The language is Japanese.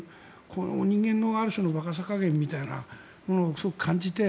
この人間のある種の馬鹿さ加減みたいなのをすごく感じていて。